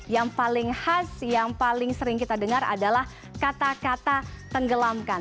yang paling khas yang paling sering kita dengar adalah kata kata tenggelamkan